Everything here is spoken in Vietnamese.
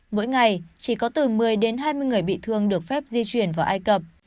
mỗi ngày chỉ có từ một mươi đến hai mươi người bị thương được phép di chuyển vào ai cập